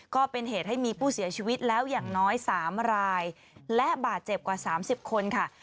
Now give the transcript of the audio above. ก็เป็นเหตุให้มีผู้เสียชีวิตแล้วอย่างน้อย๓รายและบาดเจ็บกว่า๓๐คนค่ะ